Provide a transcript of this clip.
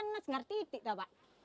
ngas ngerti tidak pak